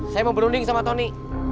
saya mau berunding sama tony